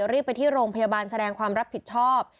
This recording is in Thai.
รีบไปที่โรงพยาบาลแสดงความรับผิดชอบ